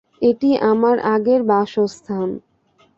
এটা আমার আগের বাসস্থান।